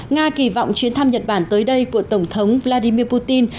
nga kỳ vọng chuyến thăm nhật bản tới đây của tổng thống vladimir putin